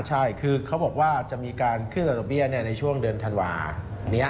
ใช่เขาบอกว่าจะมีการขึ้นสนบินเนี่ยในช่วงเดือนธันวาห์นี้